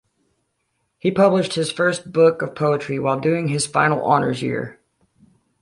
He published his first book of poetry while doing his final honours year.